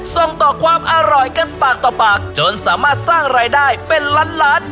ส่งต่อความอร่อยกันปากต่อปากจนสามารถสร้างรายได้เป็นล้านล้าน